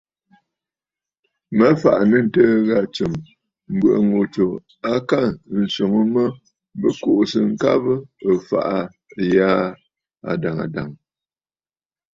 Mə fàʼà nɨ̂ ǹtɨɨ̀ ghâ tsɨm, mbɨ̀ʼɨ̀ ŋù tsù a lǒ ŋka swoŋ mə bɨ kuʼusə ŋkabə̀ ɨfàʼà ghaa adàŋə̀ dàŋə̀.